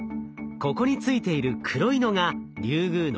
ここに付いている黒いのがリュウグウのサンプル。